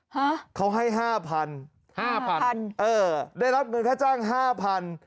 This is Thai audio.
ฮะเขาให้๕๐๐๐บาทได้รับเงินค่าจ้าง๕๐๐๐บาท